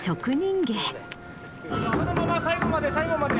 そのまま最後まで最後まで。